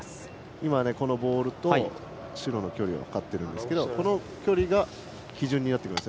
今、青のボールと白の距離を測っていますがこの距離が基準になってきます。